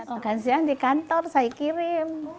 satu kan siang di kantor saya kirim